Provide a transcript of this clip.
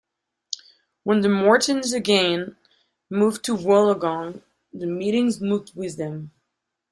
When the Mortons again moved to Wollongong, the meetings moved with them.